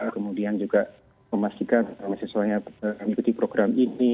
kemudian juga memastikan mahasiswanya mengikuti program ini